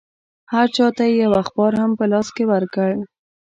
هر چا ته یې یو اخبار هم په لاس کې ورکړ.